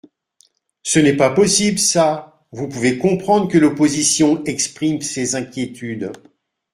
Ce n’est pas possible, ça ! Vous pouvez comprendre que l’opposition exprime ses inquiétudes.